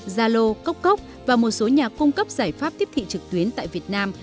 zalo cốc cốc và một số nhà cung cấp giải pháp tiếp thị trực tuyến tại việt nam